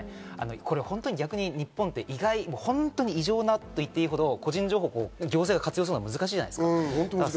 日本って本当に異常と言っていいほど個人情報を行政が活用するのは難しいじゃないですか。